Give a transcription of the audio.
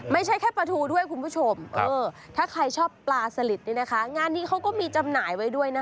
ไม่ใช่แค่ปลาทูด้วยคุณผู้ชมเออถ้าใครชอบปลาสลิดนี่นะคะงานนี้เขาก็มีจำหน่ายไว้ด้วยนะคะ